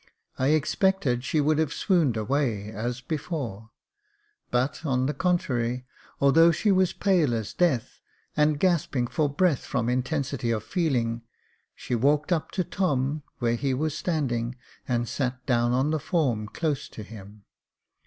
I expected she would have swooned away, as before ; but, on the contrary, although she was pale as death, and gasping for breath, from intensity of feeling, she walked up to Tom where he was standing, and sat down on the form close to him.